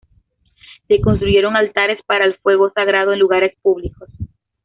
Se construyeron altares para el fuego sagrado en lugares públicos.